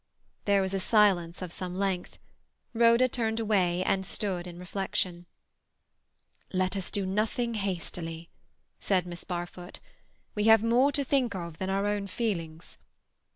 There was a silence of some length. Rhoda turned away, and stood in reflection. "Let us do nothing hastily," said Miss Barfoot. "We have more to think of than our own feelings."